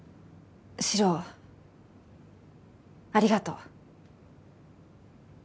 獅郎ありがとう。